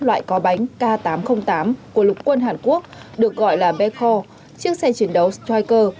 loại có bánh k tám trăm linh tám của lục quân hàn quốc được gọi là bekore chiếc xe chiến đấu stricer